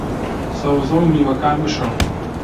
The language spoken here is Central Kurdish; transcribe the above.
سەوزە و میوەکان بشۆ